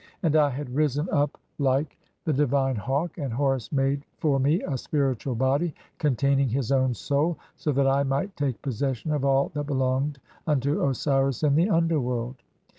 And I had risen up like THE CHAPTERS OF TRANSFORMATIONS. 1 35 "the divine hawk, and Horus made for me a spiritual body (20) "containing his own soul, so that I might take possession of all "that belonged unto Osiris in the underworld.